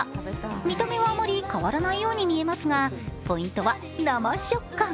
見た目はあまり変わらないように見えますが、ポイントは生食感。